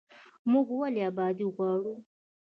موږ ولې ابادي غواړو؟